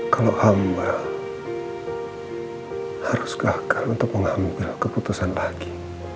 kalau amba harus ke akal untuk mengambil keputusan lagi